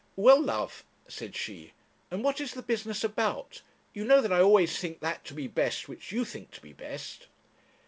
'Well, love,' said she, 'and what is the business about? You know that I always think that to be best which you think to be best.'